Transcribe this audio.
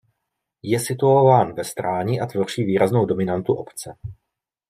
Je situován ve stráni a tvoří výraznou dominantu obce.